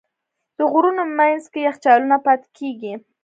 د غرونو منځ کې یخچالونه پاتې کېږي.